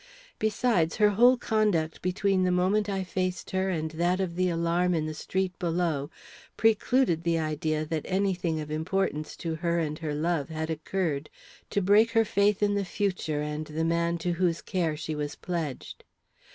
Besides, her whole conduct between the moment I faced her and that of the alarm in the street below precluded the idea that any thing of importance to her and her love had occurred to break her faith in the future and the man to whose care she was pledged.